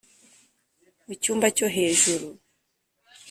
mu cyumba cyo hejuru